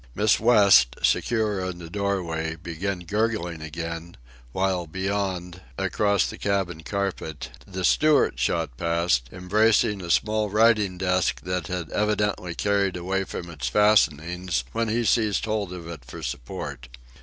Miss West, secure in the doorway, began gurgling again, while beyond, across the cabin carpet, the steward shot past, embracing a small writing desk that had evidently carried away from its fastenings when he seized hold of it for support.